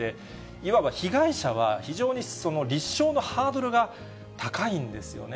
いわば被害者は非常に立証のハードルが高いんですよね。